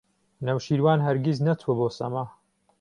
نەوشیروان هەرگیز نەچووە بۆ سەما.